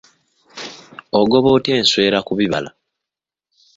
Ogoba otya enswera ku bibala?